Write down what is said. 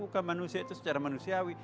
bukan manusia itu secara manusiawi